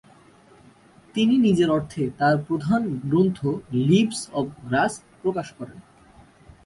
তিনি নিজের অর্থে তার প্রধান গ্রন্থ লিভস অফ গ্রাস প্রকাশ করেন।